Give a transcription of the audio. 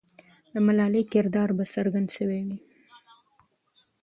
د ملالۍ کردار به څرګند سوی وي.